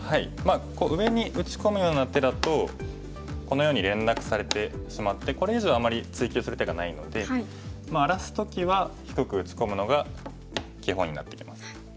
こう上に打ち込むような手だとこのように連絡されてしまってこれ以上あまり追及する手がないので荒らす時は低く打ち込むのが基本になってきます。